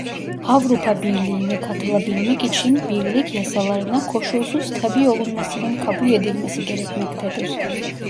Avrupa Birliği'ne katılabilmek için birlik yasalarına koşulsuz tabi olunmasının kabul edilmesi gerekmektedir.